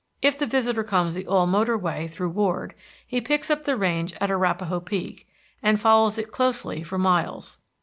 If the visitor comes the all motor way through Ward he picks up the range at Arapaho Peak, and follows it closely for miles.